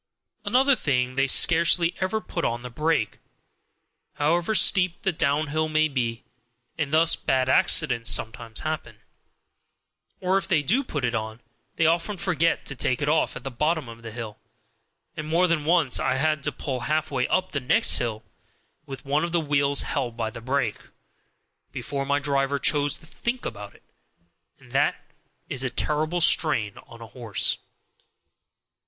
Another thing, they scarcely ever put on the brake, however steep the downhill may be, and thus bad accidents sometimes happen; or if they do put it on, they often forget to take it off at the bottom of the hill, and more than once I have had to pull halfway up the next hill, with one of the wheels held by the brake, before my driver chose to think about it; and that is a terrible strain on a horse.